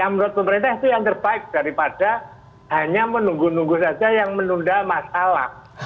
menurut pemerintah itu yang terbaik daripada hanya menunggu nunggu saja yang menunda masalah